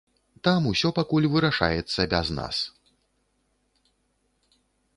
Там усё пакуль вырашаецца без нас.